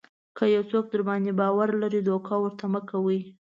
که یو څوک درباندې باور لري دوکه ورته مه کوئ.